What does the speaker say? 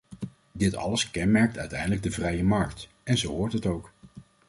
Dit alles kenmerkt uiteindelijk de vrije markt, en zo hoort het ook.